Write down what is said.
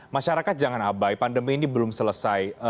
masyarakat jangan abai pandemi ini belum selesai